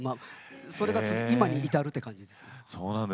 それが今に至るという感じです。